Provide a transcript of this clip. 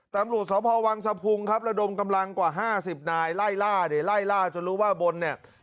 ตำรวจสพวังสะพุงครับระดมกำลังกว่า๕๐นายไล่ล่าเนี่ยไล่ล่าจนรู้ว่าบนเนี่ย